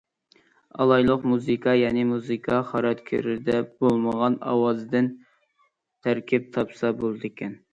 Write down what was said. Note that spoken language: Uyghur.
ئالايلۇق، مۇزىكا يەنى مۇزىكا خاراكتېرىدە بولمىغان ئاۋازدىن تەركىب تاپسا بولىدىكەن.